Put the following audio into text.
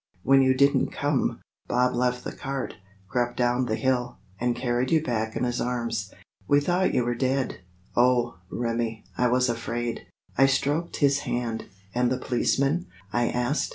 When you didn't come, Bob left the cart, crept down the hill, and carried you back in his arms. We thought you were dead. Oh, Remi, I was afraid." I stroked his hand. "And the policeman?" I asked.